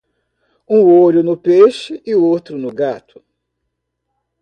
Um olho no peixe e o outro no gato.